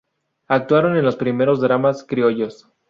Actuaron en los primeros dramas criollos.